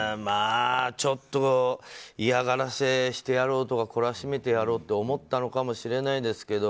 嫌がらせしてやろうとか懲らしめてやろうって思ったのかもしれないですけど